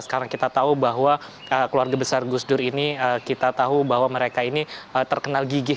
dan sekarang kita tahu bahwa keluarga besar gusur ini kita tahu bahwa mereka ini terkenal gigi